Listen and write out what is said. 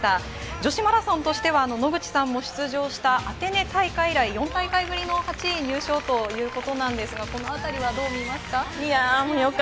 女子マラソンとしては野口さんも出場したアテネ大会以来４大会ぶりの８位入賞ということなんですが、このあたりはどう見ますか？